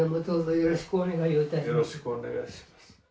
よろしくお願いします。